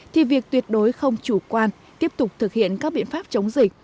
thì việc tuyệt đối không chủ quan tiếp tục thực hiện các biện pháp chống dịch